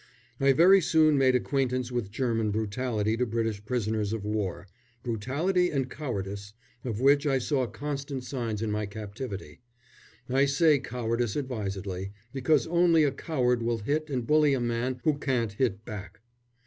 I very soon made acquaintance with German brutality to British prisoners of war brutality and cowardice, of which I saw constant signs in my captivity; I say cowardice advisedly, because only a coward will hit and bully a man who can't hit back.